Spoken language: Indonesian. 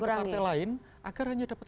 ke partai lain agar hanya dapat